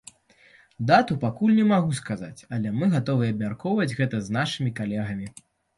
Дату пакуль не магу сказаць, але мы гатовыя абмяркоўваць гэта з нашымі калегамі.